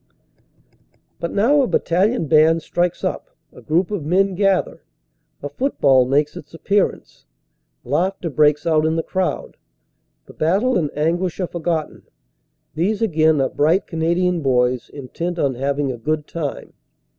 But now a battalion band strikes up, a group of men gather, a football makes its appearance. Laughter breaks out in the crowd; the battle and anguish are forgotten; these again are bright Canadian boys intent on having a good time.